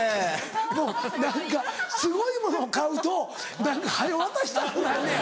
もう何かすごいものを買うと早渡したくなんねん。